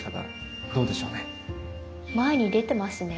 前に出てますね足。